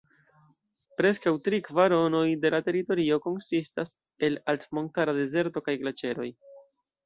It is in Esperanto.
Preskaŭ tri kvaronoj de la teritorio konsistas el altmontara dezerto kaj glaĉeroj.